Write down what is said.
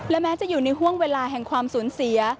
และแม้จะอยู่ในห่วงเวลาแห่งความสูญเสีย